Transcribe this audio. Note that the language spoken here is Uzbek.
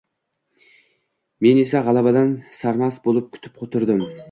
Men esa gʻalabadan sarmast boʻlib kutib turdim.